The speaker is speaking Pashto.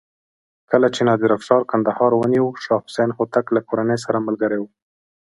کله چې نادر افشار کندهار ونیو شاه حسین هوتک له کورنۍ سره ملګری و.